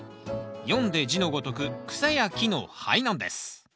読んで字のごとく草や木の灰なんです